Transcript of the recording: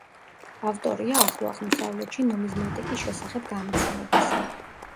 ავტორია ახლო აღმოსავლეთში ნუმიზმატიკის შესახებ გამოცემებისა.